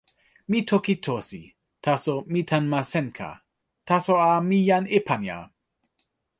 mi toki Tosi. taso, mi tan ma Senka. taso a, mi jan Epanja.